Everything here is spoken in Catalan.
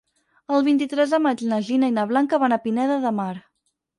El vint-i-tres de maig na Gina i na Blanca van a Pineda de Mar.